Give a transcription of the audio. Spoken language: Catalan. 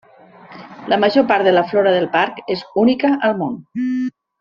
La major part de la flora del parc és única al món.